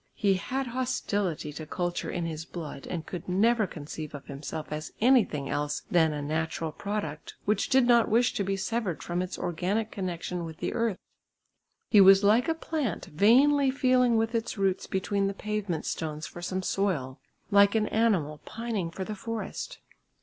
He had hostility to culture in his blood and could never conceive of himself as anything else than a natural product, which did not wish to be severed from its organic connection with the earth. He was like a plant vainly feeling with its roots between the pavement stones for some soil; like an animal pining for the forest.